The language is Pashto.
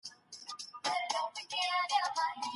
عامه افکارو د حکومتونو پر پرېکړو اغېزه وکړه.